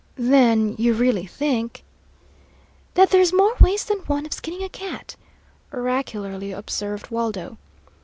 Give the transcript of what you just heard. "Then you really think " "That there's more ways than one of skinning a cat," oracularly observed Waldo.